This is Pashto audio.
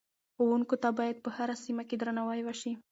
ښوونکو ته باید په هره سیمه کې درناوی وشي.